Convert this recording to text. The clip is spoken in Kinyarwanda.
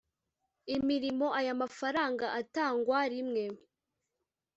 imirimo Aya mafaranga atangwa rimwe